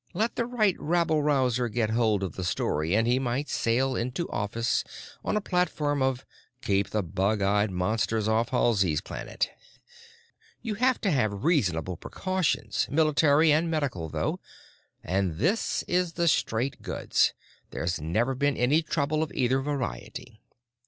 Let the right rabble rouser get hold of the story and he might sail into office on a platform of 'Keep the bug eyed monsters off of Halsey's Planet.' You have to have reasonable precautions, military and medical, though—and this is the straight goods—there's never been any trouble of either variety."